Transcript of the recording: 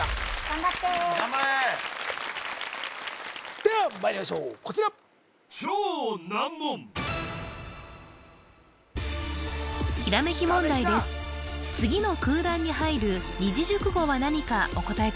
・頑張れ！ではまいりましょうこちら次の空欄に入る二字熟語は何かお答え